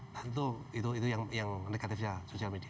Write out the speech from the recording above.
tentu itu yang negatifnya sosial media